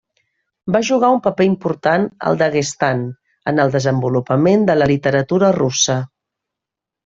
Va jugar un paper important al Daguestan en el desenvolupament de la literatura russa.